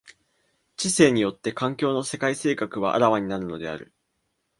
知性によって環境の世界性格は顕わになるのである。